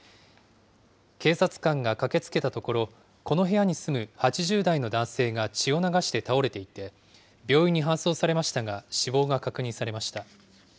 警察官が駆けつけたところ、この部屋に住む８０代の男性が血を流して倒れていて、病院に搬送されましたが死亡が確認されました。